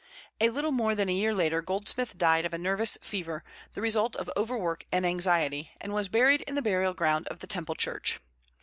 A little more than a year later Goldsmith died of a nervous fever, the result of overwork and anxiety, and was buried in the burial ground of the Temple Church.